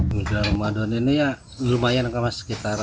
pesanan beduk di ramadan ini lumayan sekitar tiga ratus